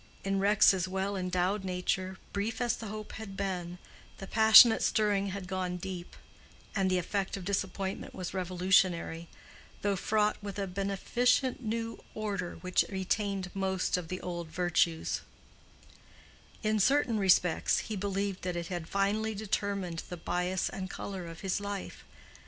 In Rex's well endowed nature, brief as the hope had been, the passionate stirring had gone deep, and the effect of disappointment was revolutionary, though fraught with a beneficent new order which retained most of the old virtues; in certain respects he believed that it had finally determined the bias and color of his life.